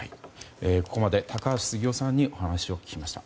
ここまで高橋杉雄さんにお話を聞きました。